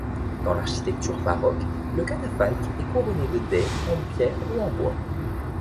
Dans l'architecture baroque le catafalque est couronné de dais en pierre ou bois.